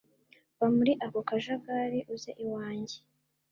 va muri ako kajagari uzeiwange